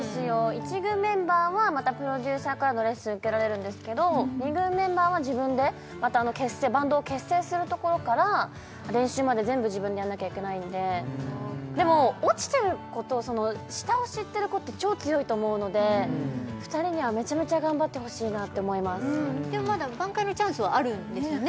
１軍メンバーはまたプロデューサーからのレッスン受けられるんですけど２軍メンバーは自分でバンドを結成するところから練習まで全部自分でやんなきゃいけないんででも落ちてる子とその下を知ってる子って超強いと思うので２人にはめちゃめちゃ頑張ってほしいなって思いますでもまだ挽回のチャンスはあるんですよね？